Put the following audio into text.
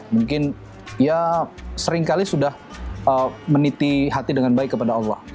mungkin ya seringkali sudah meniti hati dengan baik kepada allah